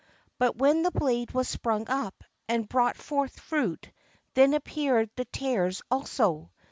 But when the blade was sprung up, and brought forth fruit, then appeared the tares also.